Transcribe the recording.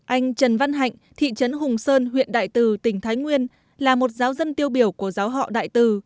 anh trần văn hạnh thị trấn hùng sơn huyện đại từ tỉnh thái nguyên là một giáo dân tiêu biểu của giáo họ đại từ